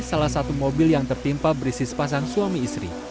salah satu mobil yang tertimpa berisi sepasang suami istri